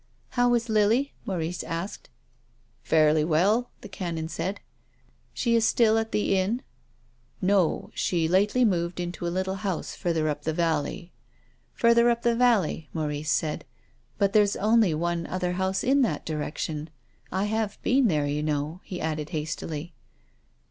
" How is Lily ?" Maurice asked. " Fairly well," the Canon said. " She is still at the inn?" " No, she lately moved into a little house further up the valley." "Further up the valley," Maurice said. "But there's only one other house in that direction. I have been there you know," he added hastily.